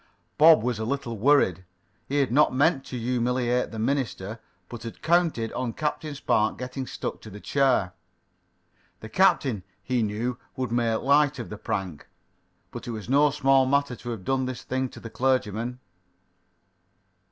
Bob was a little worried. He had not meant to humiliate the minister, but had counted on Captain Spark getting stuck to the chair. The captain, he knew, would make light of the prank. But it was no small matter to have done this thing to the clergyman.